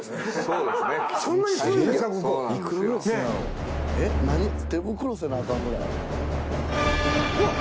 うわっ！